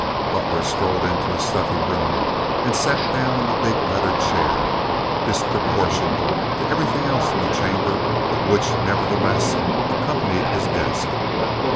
Butler strolled into his stuffy room and sat down in the big leather chair, disproportioned to everything else in the chamber, but which, nevertheless, accompanied his desk.